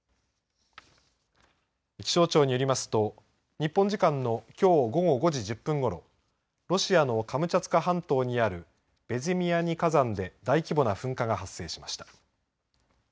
気象庁によりますと日本時間のきょう午後５時１０分ごろロシアのカムチャツカ半島にあるベズィミアニィ火山で大規模な噴火が発生しました。